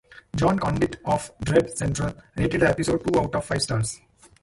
Jon Condit of DreadCentral rated the episode two out of five stars.